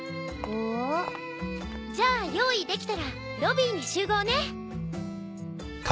おー？じゃあ用意できたらロビーに集合ね。